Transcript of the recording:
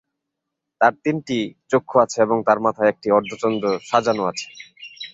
তাঁর তিনটি চক্ষু আছে এবং তাঁর মাথায় একটি অর্ধচন্দ্র সাজানো আছে।